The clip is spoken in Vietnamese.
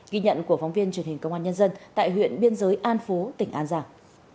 ghi nhận của phóng viên truyền hình công an nhân dân tại huyện biên giới an phú tỉnh an giang